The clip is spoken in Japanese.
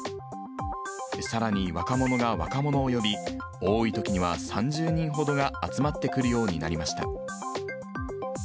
さらに、若者が若者を呼び、多いときには３０人ほどが集まってくるようになりました。